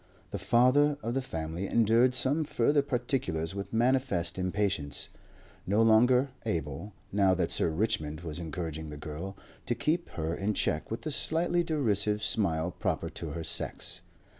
The father of the family endured some further particulars with manifest impatience, no longer able, now that Sir Richmond was encouraging the girl, to keep her in check with the slightly derisive smile proper to her sex.